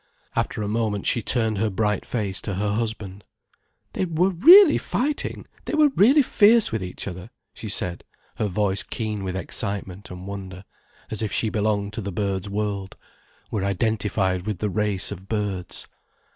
After a moment, she turned her bright face to her husband. "They were really fighting, they were really fierce with each other!" she said, her voice keen with excitement and wonder, as if she belonged to the birds' world, were identified with the race of birds.